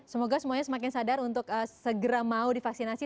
semoga semuanya semakin sadar untuk segera mau divaksinasi